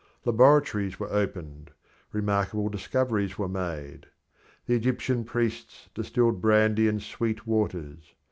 Laboratories were opened; remarkable discoveries were made. The Egyptian priests distilled brandy and sweet waters.